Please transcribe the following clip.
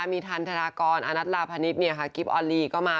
มีธรรทรกรอนัทราพณิชย์กิปอัลลี่มาก็มา